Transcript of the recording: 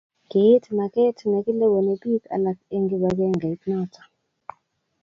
Kiit maket nekileweni bik alak eng kibagengeit noto.